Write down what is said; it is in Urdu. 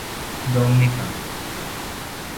ڈومنیکا